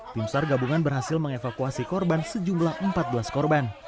timstar gabungan berhasil mengevakuasi korban sejumlah empat belas korban